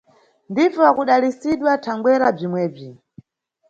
Ndife wa kudalisidwa thangwera bzimwebzi